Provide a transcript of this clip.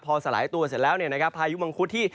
พอสลายตัวเสร็จแล้วเนี่ยนะครับพายุมังคุดที่